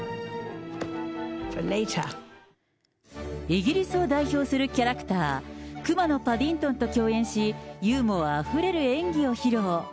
イギリスを代表するキャラクター、くまのパディントンと共演し、ユーモアあふれる演技を披露。